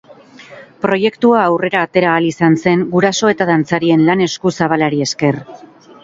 Proiektua aurrera atera ahal izan zen guraso eta dantzarien lan eskuzabalari esker.